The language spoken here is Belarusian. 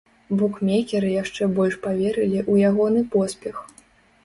Букмекеры яшчэ больш паверылі ў ягоны поспех.